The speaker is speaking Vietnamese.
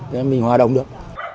thế mình hòa đồng được